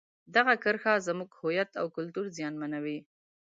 دغه کرښه زموږ د هویت او کلتور زیانمنوي.